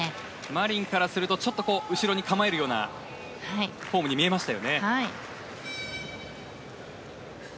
マリンからするとちょっと後ろに構えるようなフォームに見えました。